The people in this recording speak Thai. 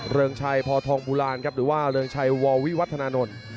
ริงชัยพอทองโบราณครับหรือว่าเริงชัยววิวัฒนานนท์